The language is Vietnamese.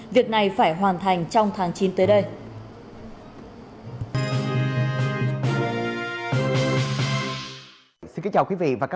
việc này phải hoàn thành trong tháng chín tới đây